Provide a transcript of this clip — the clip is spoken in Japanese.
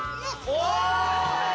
お！